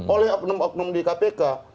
oleh oknum oknum di kpk